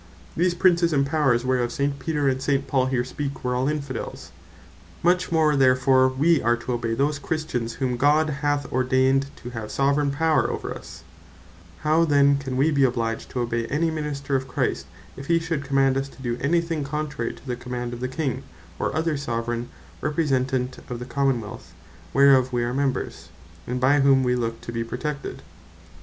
These Princes, and Powers, whereof St. Peter, and St. Paul here speak, were all Infidels; much more therefore we are to obey those Christians, whom God hath ordained to have Soveraign Power over us. How then can wee be obliged to doe any thing contrary to the Command of the King, or other Soveraign Representant of the Common wealth, whereof we are members, and by whom we look to be protected?